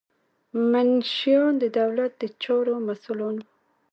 منشیان د دولت د چارو مسؤلان وو.